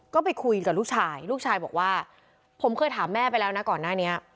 ก็ไปคุยกับลูกชายลูกชายบอกว่าผมเคยถามแม่ไปแล้วนะก่อนหน้านี้